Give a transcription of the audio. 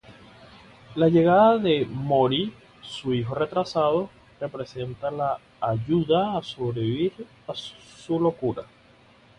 La llegada de Mori, su hijo retrasado, representa la "ayuda a sobrevivir su locura".